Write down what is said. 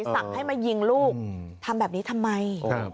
สั่งให้มายิงลูกทำแบบนี้ทำไม